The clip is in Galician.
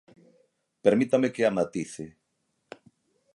Permítame que a matice.